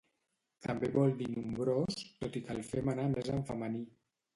També vol dir nombrós, tot i que el fem anar més en femení.